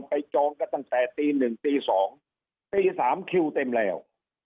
ไปจองก็ตั้งแต่ตี๑ตี๒ตี๓คิวเต็มแล้ว